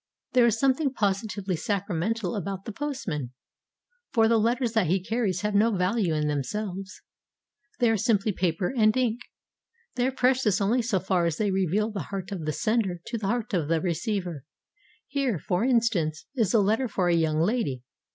There is something positively sacramental about the postman. For the letters that he carries have no value in themselves; they are simply paper and ink. They are precious only so far as they reveal the heart of the sender to the heart of the receiver. Here, for instance, is a letter for a young lady.